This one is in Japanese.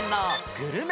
グルメ？